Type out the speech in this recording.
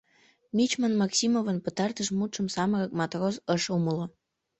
Мичман Максимовын пытартыш мутшым самырык матрос ыш умыло.